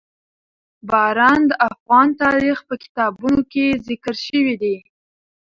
باران د افغان تاریخ په کتابونو کې ذکر شوی دي.